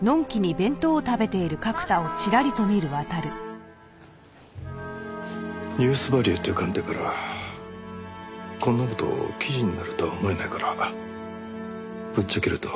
「もしもーし」ニュースバリューという観点からこんな事記事になるとは思えないからぶっちゃけると。